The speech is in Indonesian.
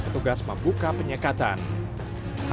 petugas membuka penyekatan hal ini berakhir